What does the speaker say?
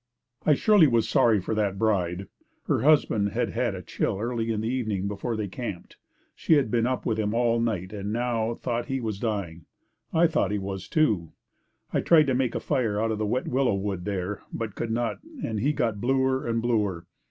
I surely was sorry for that bride. Her husband had had a chill early in the evening before they camped. She had been up with him all night and now thought he was dying. I thought he was too. I tried to make a fire out of the wet willow wood there, but could not and he got bluer and bluer.